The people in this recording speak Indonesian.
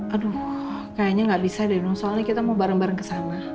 aduh kayaknya nggak bisa deh soalnya kita mau bareng bareng kesana